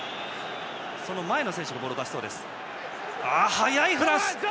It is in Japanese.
速い、フランス！